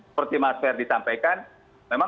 seperti masyarakat disampaikan memang